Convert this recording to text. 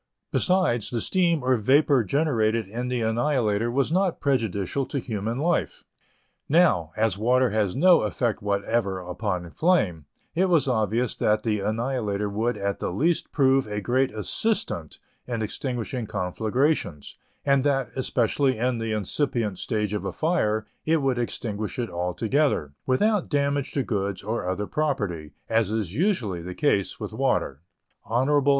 Besides, the steam or vapor generated in the Annihilator was not prejudicial to human life. Now, as water has no effect whatever upon flame, it was obvious that the Annihilator would at the least prove a great assistant in extinguishing conflagrations, and that, especially in the incipient stage of a fire, it would extinguish it altogether, without damage to goods or other property, as is usually the case with water. Hon.